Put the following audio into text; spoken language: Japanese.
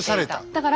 だから